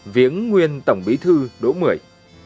viếng nguyên tổng bí thư đỗ mười